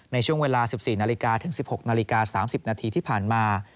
ในช่วงเวลา๑๔นาฬิกาถึง๑๖นาฬิกา๓๐นาทีที่ผ่านมา